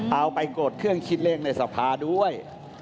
เอาไปโกรธเครื่องคิดเลขในสภาด้วย